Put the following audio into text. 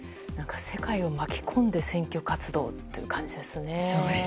世界を巻き込んで選挙活動って感じですね。